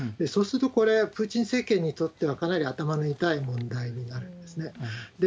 そうすると、これ、プーチン政権にとってはかなり頭の痛い問題になるんですね。